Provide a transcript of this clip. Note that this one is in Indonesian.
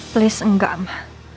please enggak ma